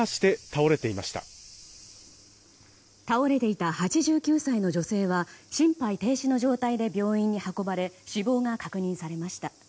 倒れていた８９歳の女性は心肺停止の状態で病院に運ばれ死亡が確認されました。